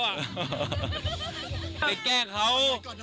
ไปแก้เขา